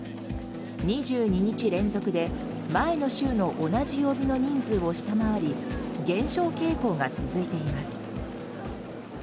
２２日連続で前の週の同じ曜日の人数を下回り減少傾向が続いています。